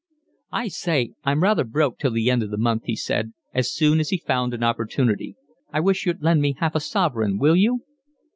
"I say, I'm rather broke till the end of the month," he said as soon as he found an opportunity. "I wish you'd lend me half a sovereign, will you?"